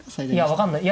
分かんない。